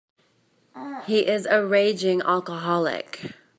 He is a raging alcoholic.